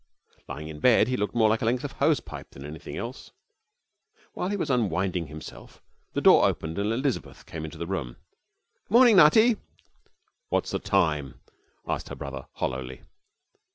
Lying in bed, he looked more like a length of hose pipe than anything else. While he was unwinding himself the door opened and Elizabeth came into the room. 'Good morning, Nutty!' 'What's the time?' asked her brother, hollowly.